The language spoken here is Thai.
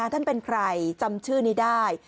ท่านเป็นใครจำชื่อนี้ได้